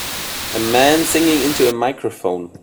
A man singing into a microphone.